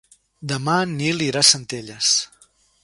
Demà en Nil irà a Centelles.